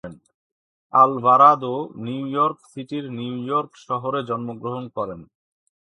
Alvarado New York সিটির New York শহরে জন্মগ্রহণ করেন।